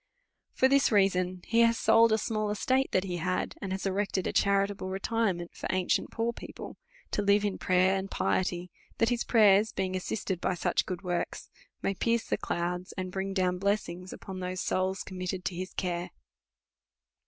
i^'or this reason he has sold a small estate that he had, and has erected a cha ritable retirement for ancient, poor people, to live in prayer and piety — that his prayers, being assisted by such good vvorkpi, may pierce the clouds, and bring down blessings upon those souls committed to his care.